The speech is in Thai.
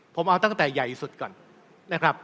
ผมเอาตั้งแต่ใหญ่สุดก่อน